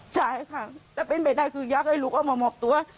ใช่ค่ะแต่เป็นไปได้คืออยากให้ลูกเอามามอบตัว